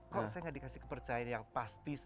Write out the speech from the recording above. kok saya gak dikasih kepercayaan yang pasti